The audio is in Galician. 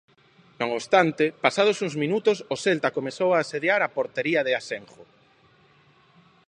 Non obstante, pasados uns minutos o Celta comezou a asediar á portería de Asenjo.